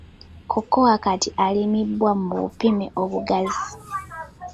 Cocoa kati alimibwa mu bupime obugazi.